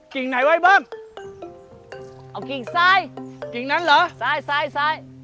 กิ่งไหนไว้เบิ้ลเอากิ่งซ้ายกิ่งนั้นเหรอซ้ายซ้ายซ้าย